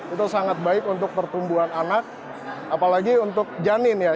itu sangat baik untuk pertumbuhan anak apalagi untuk janin ya